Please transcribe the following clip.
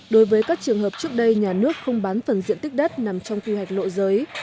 đối với các trường hợp trước đây nhà nước không bán phần diện tích đất nằm trong quy hoạch lộ giới